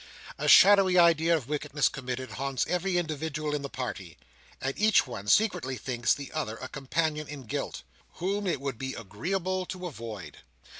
A shadowy idea of wickedness committed, haunts every individual in the party; and each one secretly thinks the other a companion in guilt, whom it would be agreeable to avoid.